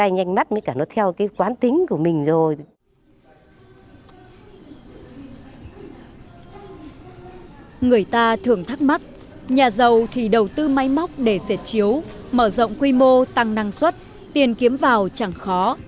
người ta thường thắc mắc nhà giàu thì đầu tư máy móc để dệt chiếu mở rộng quy mô tăng năng suất tiền kiếm vào chẳng khó